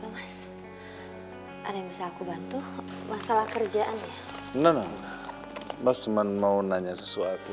mas cuman mau nanya sesuatu